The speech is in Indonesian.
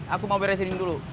aku mau beresin dulu